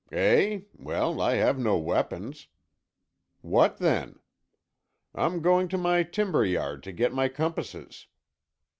"Eh! well, I have no weapons." "What then?" "I'm going to my timber yard to get my compasses."